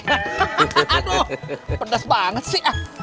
aduh pedas banget sih